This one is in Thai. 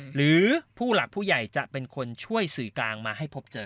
หรือผู้หลักผู้ใหญ่จะเกิดช่วยศิกางมาให้เจอ